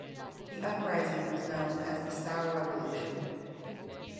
The uprising was known as the Saur Revolution.